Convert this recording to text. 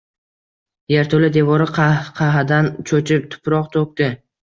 Yerto‘la devori qahqahadan cho‘chib tuproq to‘kdi.